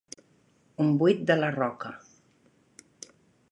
Un buit de la roca.